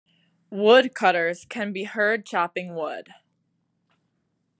Woodcutters can be heard chopping wood.